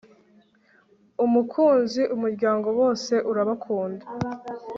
umukunzi umuryango bose urabakunda